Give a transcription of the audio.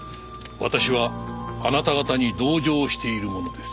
「私はあなた方に同情している者です」